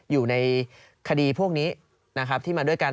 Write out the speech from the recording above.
อยู่ในคดีพวกนี้นะครับที่มาด้วยกัน